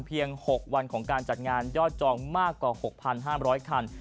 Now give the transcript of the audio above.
๖วันของการจัดงานยอดจองมากกว่า๖๕๐๐คัน